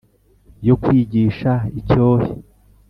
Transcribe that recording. Yo kwigisha icyohe